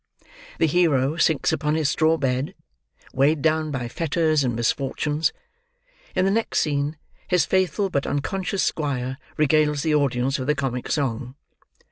The hero sinks upon his straw bed, weighed down by fetters and misfortunes; in the next scene, his faithful but unconscious squire regales the audience with a comic song.